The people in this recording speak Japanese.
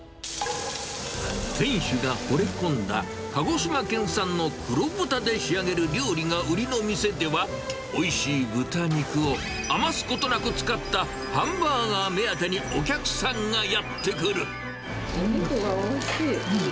店主がほれ込んだ鹿児島県産の黒豚で仕上げる料理が売りの店では、おいしい豚肉を余すことなく使ったハンバーガー目当てにお客さんお肉がおいしい。